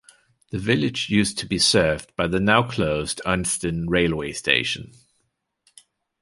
The village used to be served by the now-closed Unstone railway station.